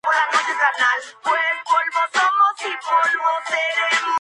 Los ensayos no destructivos implican un daño imperceptible o nulo.